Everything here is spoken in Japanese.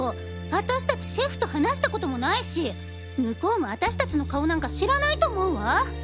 あたしたちシェフと話したこともないし向こうもあたしたちの顔なんか知らないと思うわ！